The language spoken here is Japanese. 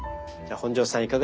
じゃあ本上さん